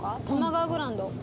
多摩川グランド。